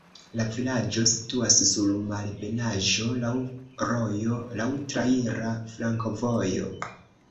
La vilaĝo situas sur malebenaĵo, laŭ rojo, laŭ traira flankovojo.